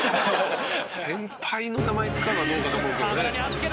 「先輩の名前使うのはどうかと思うけどね」